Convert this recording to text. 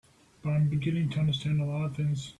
But I'm beginning to understand a lot of things.